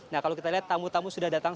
nah kalau kita lihat tamu tamu sudah datang